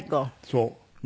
そう。